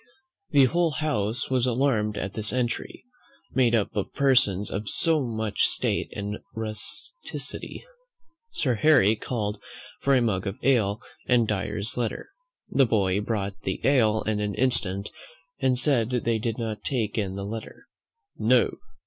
The whole house was alarmed at this entry, made up of persons of so much state and rusticity. Sir Harry called for a mug of ale and Dyer's Letter. The boy brought the ale in an instant, but said they did not take in the Letter. "No!"